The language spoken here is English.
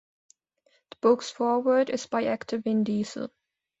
The book's foreword is by actor Vin Diesel.